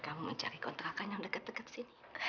kamu mencari kontrakan yang dekat dekat sini